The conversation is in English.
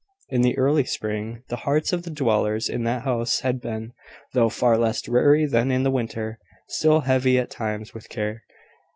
In the early spring, the hearts of the dwellers in that house had been, though far less dreary than in the winter, still heavy at times with care.